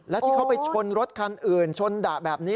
และที่เขาไปชนรถคันอื่นชนดะแบบนี้